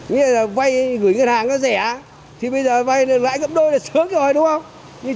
vậy là vay gửi ngân hàng nó rẻ thì bây giờ vay lại gặp đôi là sớm rồi đúng không